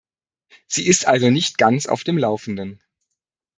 Sie ist also nicht ganz auf dem Laufenden.